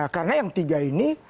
karena yang tiga ini